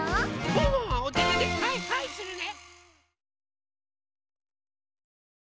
ワンワンはおててではいはいするね！